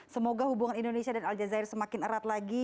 semoga hubungan indonesia dan aljazair semakin erat lagi